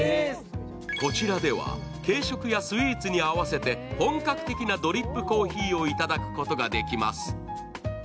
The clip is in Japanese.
こちらでは軽食やスイーツに合わせて本格的なドリップコーヒーをいただくことができます。